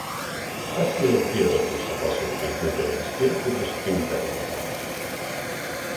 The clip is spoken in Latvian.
Esmu jau pieradusi pasūtīt nedēļas pirkumus internetā.